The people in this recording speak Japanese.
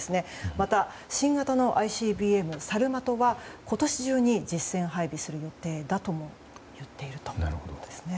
また、新型のＩＣＢＭサルマトは今年中に実戦配備する予定だとも言っているということですね。